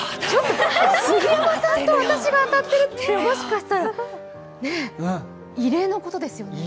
杉山さんと私が当たってるってもしかしたら、異例のことですよね。